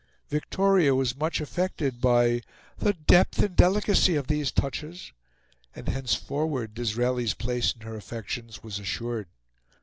Victoria was much affected by "the depth and delicacy of these touches," and henceforward Disraeli's place in her affections was assured.